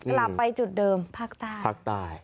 กลับไปจุดเดิมภาคตาย